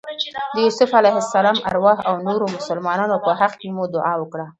د یوسف علیه السلام ارواح او نورو مسلمانانو په حق کې مو دعا وکړه.